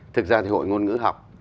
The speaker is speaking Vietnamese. thực ra thì hội ngôn ngữ học